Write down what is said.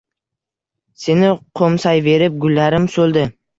Seni qo‘msayverib gullarim so‘ldi